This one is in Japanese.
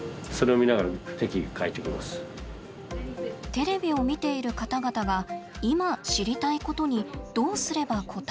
テレビを見ている方々が今知りたいことにどうすれば応えられるのか。